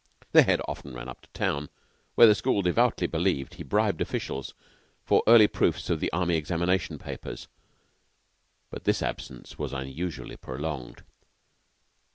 The Head often ran up to town, where the school devoutly believed he bribed officials for early proofs of the Army Examination papers; but this absence was unusually prolonged.